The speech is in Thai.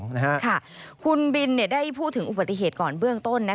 ค่ะคุณบินได้พูดถึงอุบัติเหตุก่อนเบื้องต้น